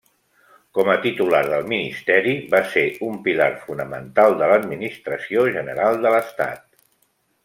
Com a titular del Ministeri va ser un pilar fonamental de l'Administració General de l'Estat.